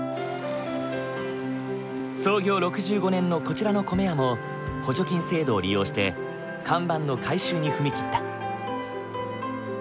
創業６５年のこちらの米屋も補助金制度を利用して看板の改修に踏み切った。